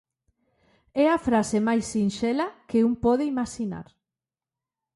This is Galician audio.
É a frase máis sinxela que un pode imaxinar.